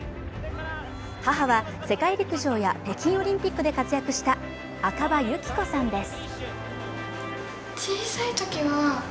母は世界陸上や北京オリンピックで活躍した赤羽有紀子さんです。